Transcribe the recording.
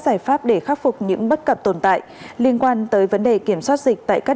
giải pháp để khắc phục những bất cập tồn tại liên quan tới vấn đề kiểm soát dịch tại các